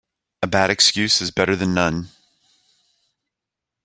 A bad excuse is better then none.